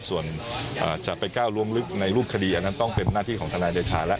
ส่วนจะไปก้าวล้วงลึกในรูปคดีอันนั้นต้องเป็นหน้าที่ของทนายเดชาแล้ว